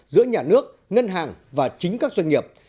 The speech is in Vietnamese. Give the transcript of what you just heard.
giữa nhà nước ngân hàng và chính các doanh nghiệp